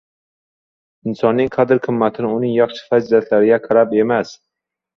Insonning qadr-qimmati to‘g‘risida uning yaxshi fazilatlariga qarab emas